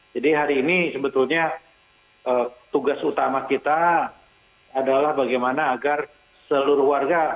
jadi hari ini sebetulnya tugas utama kita adalah bagaimana agar seluruh warga